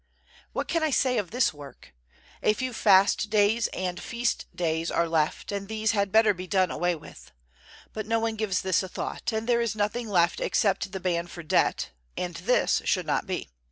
What can I say of this work? A few fast days and feast days are left, and these had better be done away with. But no one gives this a thought, and there is nothing left except the ban for debt, and this should not be.